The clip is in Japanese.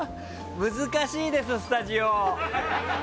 難しいです、スタジオ。